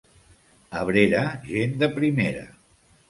Abrera, gent de primera.